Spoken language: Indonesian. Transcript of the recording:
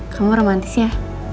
kamu romantis ya